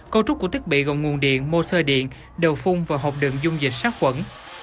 câu trúc của thiết bị gồm nguồn điện motor điện đầu phun và hộp đường dung dịch sát khuẩn